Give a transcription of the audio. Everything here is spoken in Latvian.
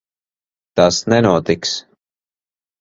Tas nenotiks.